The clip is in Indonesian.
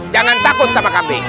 jangan takut sama kambing